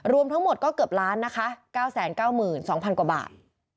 รวมทั้งหมดก็เกือบล้านนะคะ๙๙๒๐๐๐กว่าบาท